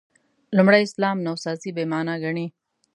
لومړي اسلام نوسازي «بې معنا» ګڼي.